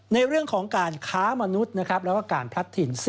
ในเรื่องของการค้ามนุษย์แล้วก็การพลัดถิ่น